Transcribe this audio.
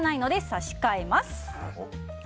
差し替えます！